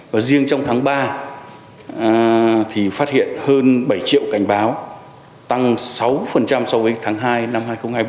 và riêng trong tháng ba thì phát hiện hơn bảy triệu cảnh báo tăng sáu so với tháng hai năm hai nghìn hai mươi bốn